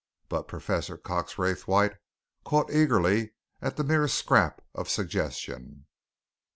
But Professor Cox Raythwaite caught eagerly at the mere scrap of suggestion.